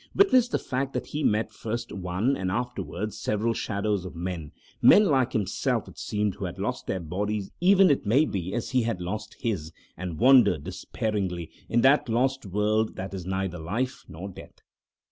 Witness the fact that he met first one, and afterwards several shadows of men, men like himself, it seemed, who had lost their bodies even it may be as he had lost his, and wandered, despairingly, in that lost world that is neither life nor death.